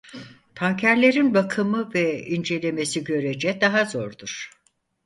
Tankerlerin bakımı ve incelemesi görece daha zordur.